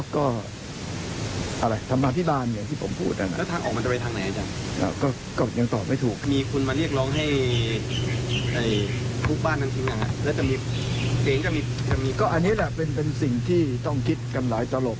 ก็อันนี้เป็นสิ่งที่ต้องคิดกันหลายตลก